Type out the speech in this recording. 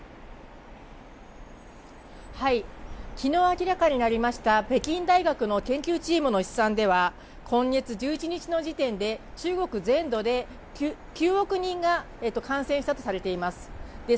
はい、昨日明らかになりました北京大学の研究チームの試算では、今月１１日の時点で中国全土で９億人が感染したとされています。